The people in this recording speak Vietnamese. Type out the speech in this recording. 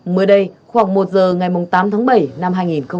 mới đây khoảng một giờ ngày tám tháng bảy năm hai nghìn hai mươi